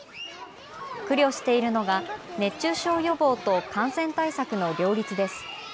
苦慮しているのが熱中症予防と感染対策の両立です。